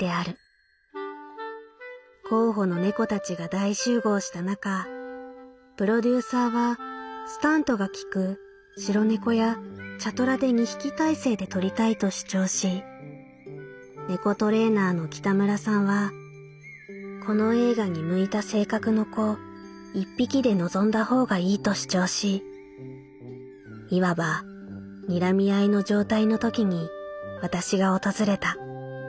候補の猫たちが大集合した中プロデューサーはスタントが利く白猫や茶トラで二匹態勢で撮りたいと主張し猫トレーナーの北村さんはこの映画に向いた性格の子一匹で臨んだほうがいいと主張しいわば睨み合いの状態のときに私が訪れた」。